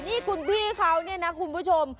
นี่คุณพี่เขานะคุณผู้ชม